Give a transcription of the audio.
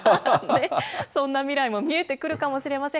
そんな未来も見えてくるかもしれません。